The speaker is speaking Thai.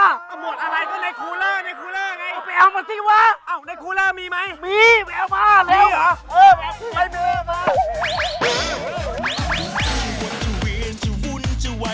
น้ำหมดข้าวหมดป่ะ